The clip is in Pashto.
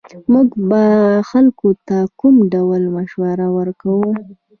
موږ به خلکو ته کوم ډول مشوره ورکوو